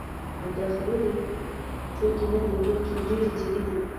او دا خبرې ټوکې نه دي، بلکې ډېرې جدي دي.